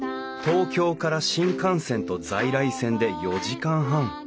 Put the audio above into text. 東京から新幹線と在来線で４時間半。